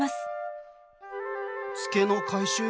ツケの回収